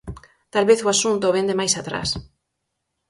Talvez o asunto vén de máis atrás.